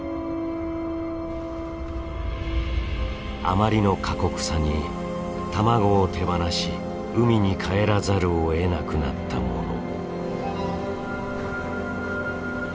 あまりの過酷さに卵を手放し海に帰らざるをえなくなったもの。